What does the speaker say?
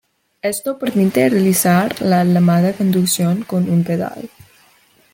Esto permite realizar la llamada conducción con un pedal.